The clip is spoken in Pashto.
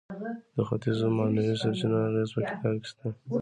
د ختیځو معنوي سرچینو اغیز په کتاب کې شته.